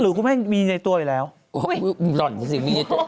ฉันไม่มีดอกไม้